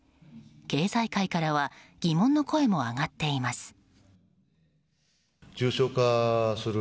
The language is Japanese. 経済界からは疑問の声も上がっています。